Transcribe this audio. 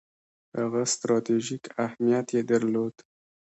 هغه ستراتیژیک اهمیت یې درلود.